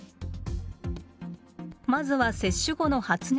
まずは接種後の発熱。